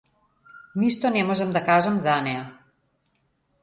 Ништо не можам да кажам за неа.